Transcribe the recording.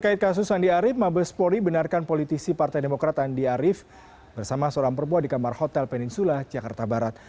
terkait kasus andi arief mabes polri benarkan politisi partai demokrat andi arief bersama seorang perempuan di kamar hotel peninsula jakarta barat